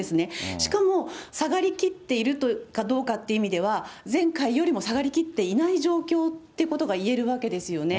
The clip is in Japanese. しかも下がりきっているかどうかっていう意味では、前回よりも下がりきっていない状況ってことがいえるわけですよね。